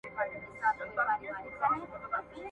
زه به سبا پلان جوړوم وم!.